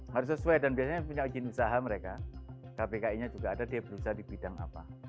harus sesuai dan biasanya punya izin usaha mereka kpki nya juga ada dia berusaha di bidang apa